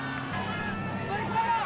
・乗り越えろ！